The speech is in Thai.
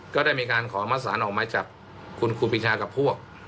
ก็ได้มีการขอมาสารออกไม้จับคุณครูปีชากับพวก